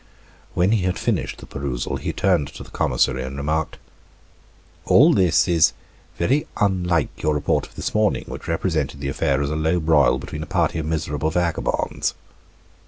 When he had finished the perusal he turned to the commissary and remarked: "All this is very unlike your report of this morning, which represented the affair as a low broil between a party of miserable vagabonds."